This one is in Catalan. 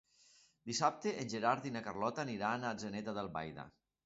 Dissabte en Gerard i na Carlota aniran a Atzeneta d'Albaida.